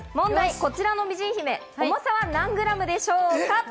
こちらの美人姫、重さは何グラムでしょうか？